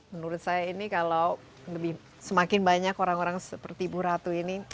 menurut saya ini kalau semakin banyak orang orang seperti bu ratu ini